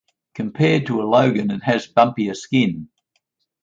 Compared to a longan, it has bumpier skin.